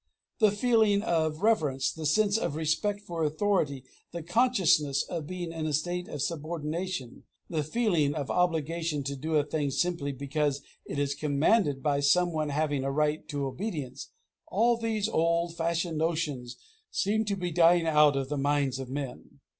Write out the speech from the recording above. The feeling of reverence, the sense of a respect for authority, the consciousness of being in a state of subordination, the feeling of obligation to do a thing simply because it is commanded by some one having a right to obedience all these old fashioned notions seem to be dying out of the minds of men.